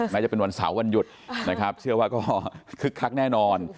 มันจะเป็นวันเสาร์มันหยุดเชื่อว่าคึกคลักแน่นอน